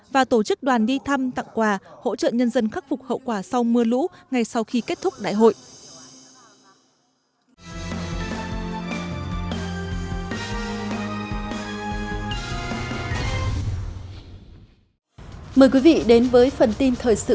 và tổ chức đoàn đi thăm tặng quà hỗ trợ nhân dân khắc phục hậu quả sau mưa lũ ngay sau khi kết thúc đại hội